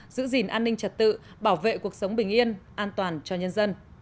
giữ gìn an ninh trật tự bảo vệ cuộc sống bình yên an toàn cho nhân dân